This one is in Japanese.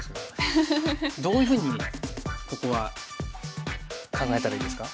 どういうふうにここは考えたらいいですか？